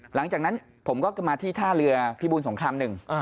หลังจากนั้นผมก็มาที่ท่าเรือพิบูรสงครามหนึ่ง